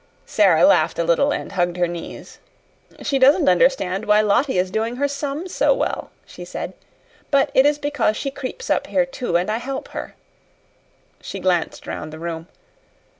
Sara laughed a little and hugged her knees. "She doesn't understand why Lottie is doing her sums so well," she said; "but it is because she creeps up here, too, and I help her." She glanced round the room.